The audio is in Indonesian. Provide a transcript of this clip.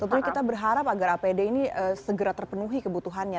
tentunya kita berharap agar apd ini segera terpenuhi kebutuhannya